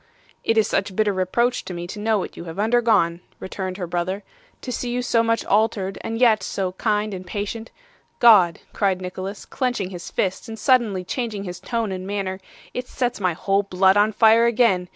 'It is such bitter reproach to me to know what you have undergone,' returned her brother; 'to see you so much altered, and yet so kind and patient God!' cried Nicholas, clenching his fist and suddenly changing his tone and manner, 'it sets my whole blood on fire again.